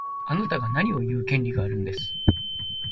あなたが何を言う権利があるんです。